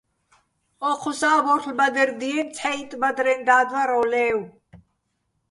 ო́ჴუსაჲ ვორ'ლ ბადერ დიენი̆, ცჰ̦აიტტ ბადრეჼ და́დ ვარ ო ლე́ვო̆.